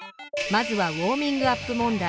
まずはウオーミングアップ問題